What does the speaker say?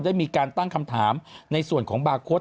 ได้มีการตั้งคำถามในส่วนของบาร์โค้ด